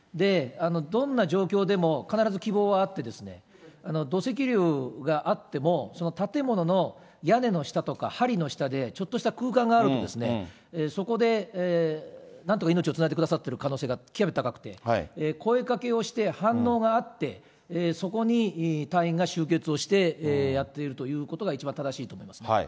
どんな状況でも必ず希望はあって、土石流があっても、その建物の屋根の下とかはりの下で、ちょっとした空間があると、そこでなんとか命をつないでくださっている可能性が極めて高くて、声かけをして、反応があって、そこに隊員が集結をしてやっているということが、一番正しいと思